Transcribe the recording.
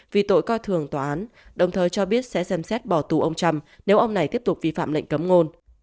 vì tội coi thường tòa án đồng thời cho biết sẽ xem xét bỏ tù ông trump nếu ông này tiếp tục vi phạm lệnh cấm ngôn